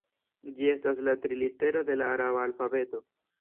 Ĝi estas la tri litero de la araba alfabeto.